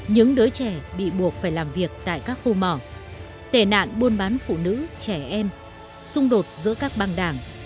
những đứa trẻ bị buộc phải làm việc tại các khu mỏ tề nạn buôn bán phụ nữ trẻ em xung đột giữa các băng đảng